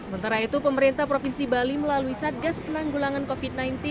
sementara itu pemerintah provinsi bali melalui satgas penanggulangan covid sembilan belas